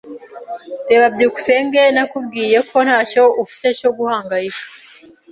Reba byukusenge, nakubwiye ko ntacyo ufite cyo guhangayika.